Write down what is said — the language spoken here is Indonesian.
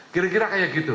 kira kira kayak gitu